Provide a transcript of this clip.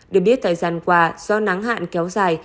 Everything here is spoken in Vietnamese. được biết thời gian qua do nắng hạn kéo dài